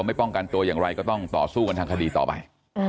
ป้องกันตัวอย่างไรก็ต้องต่อสู้กันทางคดีต่อไป